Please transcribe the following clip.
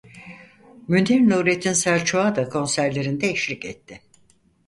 Münir Nurettin Selçuk'a da konserlerinde eşlik etti.